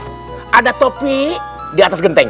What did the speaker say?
ada topi di atas genteng